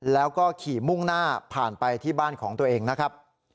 แล้วก็ขี่มุ่งหน้าผ่านไปที่บ้านของตัวเองนะครับ